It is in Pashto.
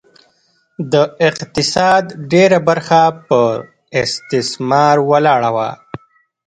د اقتصاد ډېره برخه پر استثمار ولاړه وه.